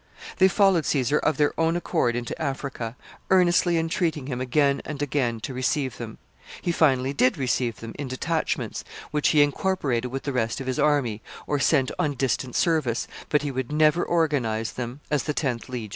They followed Caesar of their own accord into Africa, earnestly entreating him again and again to receive them. He finally did receive them in detachments, which he incorporated with the rest of his army, or sent on distant service, but he would never organize them as the tenth legion again.